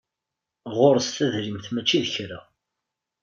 Ɣures tadrimt mačči d kra.